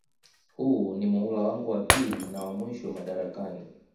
Huu ni muhula wangu wa pili na wa mwisho madarakani